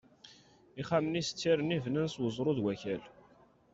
Ixxamen-is d tirni bnan s uẓru d wakal.